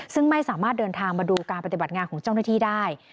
ซึ่งไม่สามารถเดินทางมาดูการปฏิบัติงานของเจ้าหน้าที่ได้